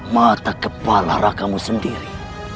mata kepala raka mu sendiri